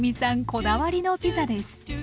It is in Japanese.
こだわりのピザです。